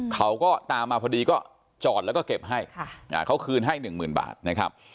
เขาก็ตามมาพอดีก็จอดแล้วก็เก็บให้เขาคืนให้หนึ่งหมื่นบาทนะครับ